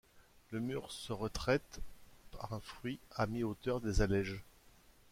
Le mur se retraite par un fruit à mi-hauteur des allèges.